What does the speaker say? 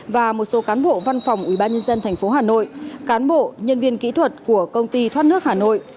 và một số cán bộ văn phòng ubnd tp hà nội cán bộ nhân viên kỹ thuật của công ty thoát nước hà nội